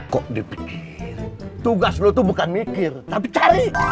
kok dipikir tugas lu itu bukan mikir tapi cari